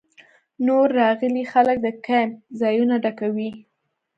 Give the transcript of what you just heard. نوي راغلي خلک د کیمپ ځایونه ډکوي